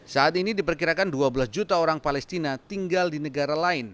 saat ini diperkirakan dua belas juta orang palestina tinggal di negara lain